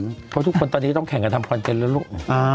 เพราะทุกคนตอนนี้ต้องแข่งกันทำคอนเทนต์แล้วลูก